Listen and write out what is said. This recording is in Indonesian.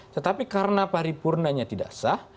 tetapi karena paripurnanya tidak sah